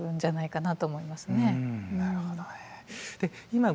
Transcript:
なるほどね。